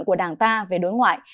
của đảng ta về đối ngoại